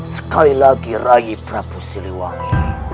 sekali lagi raih prabu siliwangi